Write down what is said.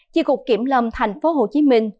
chi cục kiểm lâm thành phố hồ chí minh